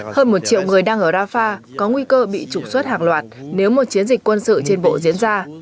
hơn một triệu người đang ở rafah có nguy cơ bị trục xuất hàng loạt nếu một chiến dịch quân sự trên bộ diễn ra